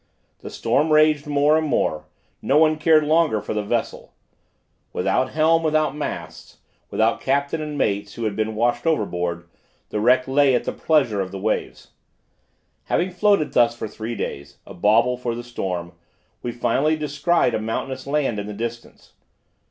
The storm raged more and more; no one cared longer for the vessel: without helm, without masts, without captain and mates, who had been washed overboard, the wreck lay at the pleasure of the waves. Having floated thus for three days, a bauble for the storm, we finally descried a mountainous land in the distance.